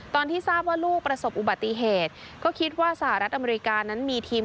ตอนที่ทราบว่าลูกประสบอุบัติเหตุก็คิดว่าสหรัฐอเมริกานั้นมีทีม